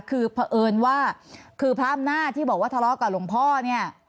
คือเพราะเอิญว่าคือพระอำนาจที่บอกว่าทะเลาะกับหลวงพ่อเนี่ย